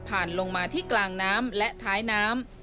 ลงมาที่กลางน้ำและท้ายน้ำ